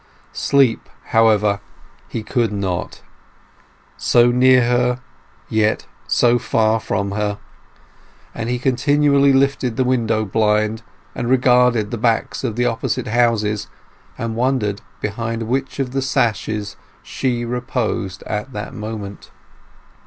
Sleep, however, he could not—so near her, yet so far from her—and he continually lifted the window blind and regarded the backs of the opposite houses, and wondered behind which of the sashes she reposed at that moment.